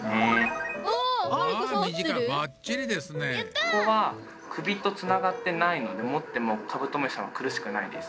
ここは首とつながってないので持ってもカブトムシはくるしくないです。